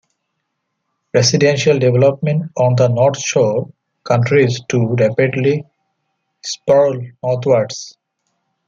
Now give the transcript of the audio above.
Residential development on the North Shore continues to rapidly sprawl northwards.